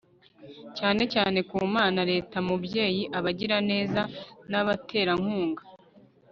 cyane cyane ku mana, leta mubyeyi, abagiraneza n'abaterankunga